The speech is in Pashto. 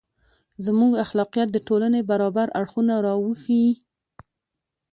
• زموږ اخلاقیات د ټولنې برابر اړخونه راوښيي.